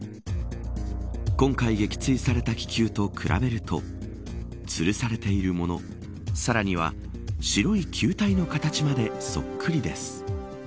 今回、撃墜された気球と比べるとつるされているものさらには白い球体の形までそっくりです。